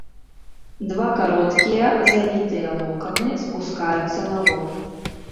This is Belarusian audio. Два кароткія завітыя локаны спускаюцца на лоб.